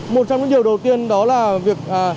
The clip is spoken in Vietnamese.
một trong những điều đầu tiên đó là việc